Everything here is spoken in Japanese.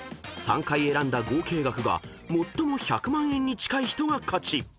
［３回選んだ合計額が最も１００万円に近い人が勝ち］